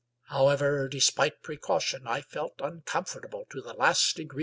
However, despite precaution, I felt uncomfortable to the last degree.